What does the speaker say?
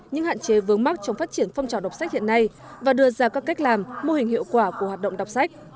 những hạn chế vướng mắc trong phát triển phong trào đọc sách hiện nay và đưa ra các cách làm mô hình hiệu quả của hoạt động đọc sách